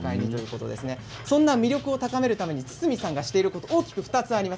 そんな魅力を高めるために堤さんがしていることが大きく２つあります。